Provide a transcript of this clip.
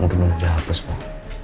untuk menunjuknya apa pak